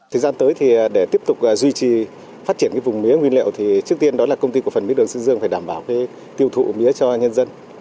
thời gian tới để tiếp tục duy trì phát triển vùng mía nguyên liệu trước tiên là công ty của phần mía đường sư dương phải đảm bảo tiêu thụ mía cho nhân dân